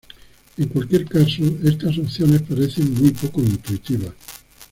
En cualquier caso estas opciones parecen muy poco intuitivas.